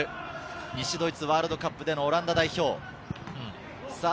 西ドイツワールドカップでのオランダ代表。